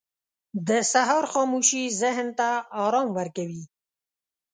• د سهار خاموشي ذهن ته آرام ورکوي.